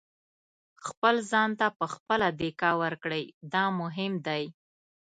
خپل ځان ته په خپله دېکه ورکړئ دا مهم دی.